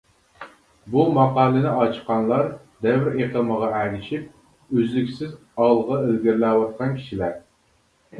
بۇ ماقالىنى ئاچقانلار دەۋر ئېقىمىغا ئەگىشىپ، ئۈزلۈكسىز ئالغا ئىلگىرىلەۋاتقان كىشىلەر .